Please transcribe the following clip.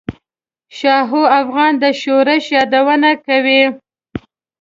شاهو افغان د شورش یادونه کوي.